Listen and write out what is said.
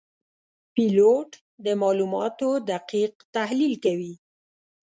پیلوټ د معلوماتو دقیق تحلیل کوي.